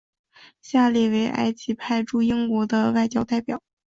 下列为埃及派驻英国的外交代表。